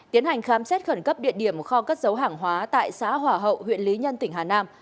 tiến hành khám xét khẩn cấp địa điểm kho cất dấu hàng hóa tại xã hỏa hậu huyện lý nhân tỉnh hà nam